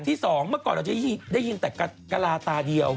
ที่สองเมื่อก่อนเราจะได้ยินแต่กระลาตาเดียว